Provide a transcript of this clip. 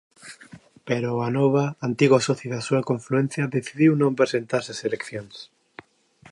Pero Anova, antigo socio da súa confluencia, decidiu non presentarse ás eleccións.